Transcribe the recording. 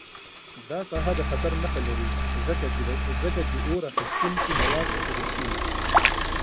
دا ساحه د خطر نښه لري، ځکه چې اور اخیستونکي مواد ایښودل شوي.